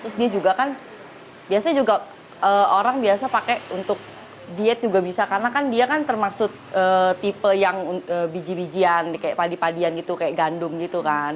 terus dia juga kan biasanya juga orang biasa pakai untuk diet juga bisa karena kan dia kan termasuk tipe yang biji bijian kayak padi padian gitu kayak gandum gitu kan